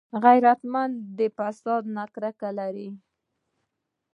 غیرتمند د فساد نه کرکه لري